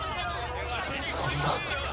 そんな！